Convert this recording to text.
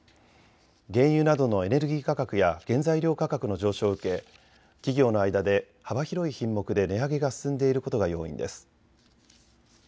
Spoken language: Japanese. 原油などのエネルギー価格や原材料価格の上昇を受け企業の間で幅広い品目で値上げが進んでいることが要因です。